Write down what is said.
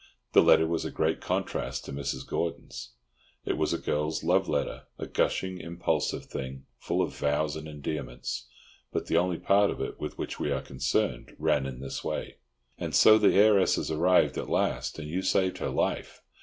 The letter was a great contrast to Mrs. Gordon's. It was a girl's love letter, a gushing, impulsive thing, full of vows and endearments; but the only part of it with which we are concerned ran in this way:— And so the heiress has arrived at last—and you saved her life!